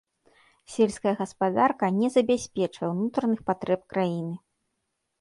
Сельская гаспадарка не забяспечвае ўнутраных патрэб краіны.